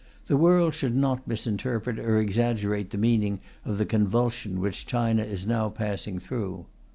The world should not misinterpret or exaggerate the meaning of the convulsion which China is now passing through."